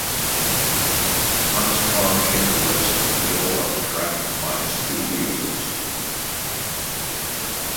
Hunt's car came to rest in the middle of the track, minus two wheels.